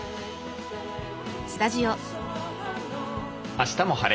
「あしたも晴れ！